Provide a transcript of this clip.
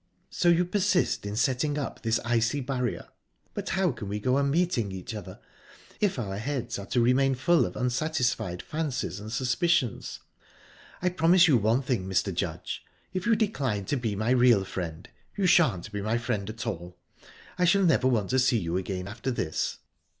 "So you persist in setting up this icy barrier? But how can we go on meeting each other, if our heads are to remain full of unsatisfied fancies and suspicions?...I promise you one thing, Mr. Judge if you decline to be my real friend, you shan't be my friend at all. I shall never want to see you again after this."